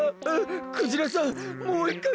クジラさんもう１かい